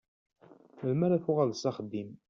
Melmi ara tuɣaleḍ s axeddim?